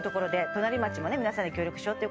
隣町もね皆さんで協力しようと。